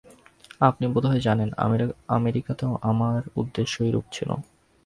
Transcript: আপনি বোধ হয় জানেন, আমেরিকাতেও আমার উদ্দেশ্য এইরূপ ছিল।